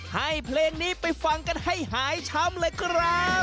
เพลงนี้ไปฟังกันให้หายช้ำเลยครับ